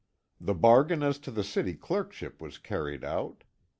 The bargain as to the city clerkship was carried out.